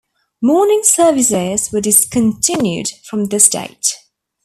Morning services were discontinued from this date.